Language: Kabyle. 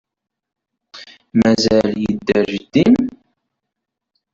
Mazal yedder jeddi-m?